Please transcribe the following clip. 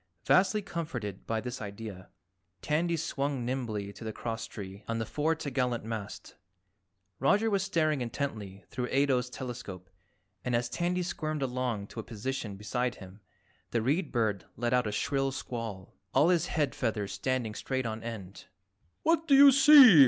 Vastly comforted by this idea, Tandy swung nimbly to the crosstree on the fore t'gallant mast. Roger was staring intently through Ato's telescope and as Tandy squirmed along to a position beside him, the Read Bird let out a shrill squall, all his head feathers standing straight on end. "What do you see?